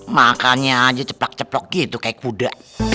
makannya aja ceplak ceplok gitu kayak kuda